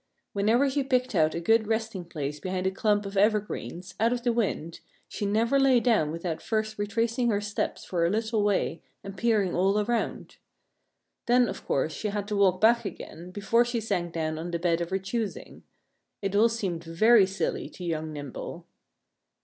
Whenever she picked out a good resting place behind a clump of evergreens, out of the wind, she never lay down without first retracing her steps for a little way and peering all around. Then, of course, she had to walk back again before she sank down on the bed of her choosing. It all seemed very silly to young Nimble.